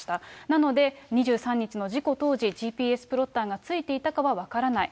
なので、２３日の事故当時、ＧＰＳプロッターが付いていたかは分からない。